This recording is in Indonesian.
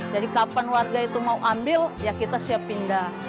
jadi kapan warga itu mau ambil ya kita siap pindah